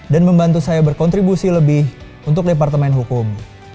membantu saya berkontribusi lebih untuk departemen hukum